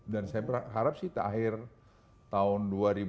dan saya berharap sih akhir tahun dua ribu dua puluh empat